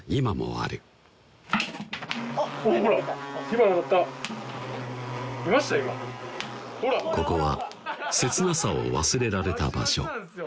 今ここは切なさを忘れられた場所